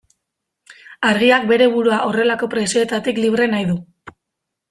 Argiak bere burua horrelako presioetatik libre nahi du.